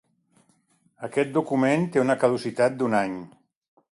Aquest document té una caducitat d'un any.